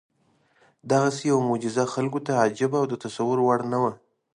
دغسې یوه معجزه خلکو ته عجیبه او د تصور وړ نه وه.